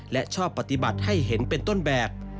และชอบปฏิบัติให้เห็นเป็นต้นแบบ